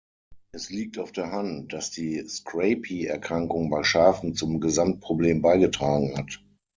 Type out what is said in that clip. Es liegt auf der Hand, dass die Scrapie-Erkrankung bei Schafen zum Gesamtproblem beigetragen hat.